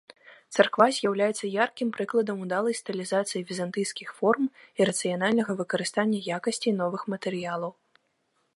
Царква з'яўляецца яркім прыкладам удалай стылізацыі візантыйскіх форм і рацыянальнага выкарыстання якасцей новых матэрыялаў.